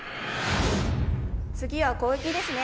次は攻撃ですね。